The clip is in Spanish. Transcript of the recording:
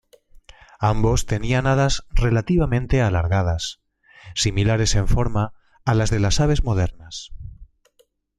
Ambos tenían alas relativamente alargadas, similares en forma a las de las aves modernas.